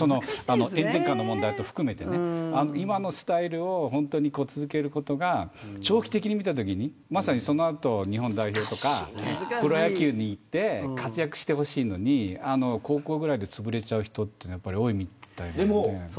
炎天下の問題も含めて今のスタイルを本当に続けることが長期的に見たときにまさにその後、日本代表とかプロ野球に行って活躍してほしいのに高校ぐらいでつぶれちゃう人は多いみたいなので。